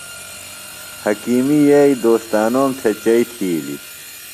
حکیمی یئییۡ دوستانوم تھےۡ چئی تِھیلیۡ۔